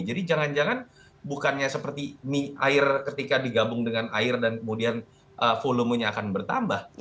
jadi jangan jangan bukannya seperti mie air ketika digabung dengan air dan kemudian volumenya akan bertambah